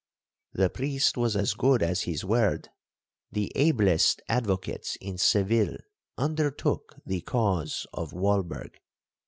'The priest was as good as his word,—the ablest advocates in Seville undertook the cause of Walberg.